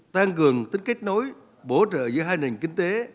tăng cường tính kết nối bổ trợ giữa hai nền kinh tế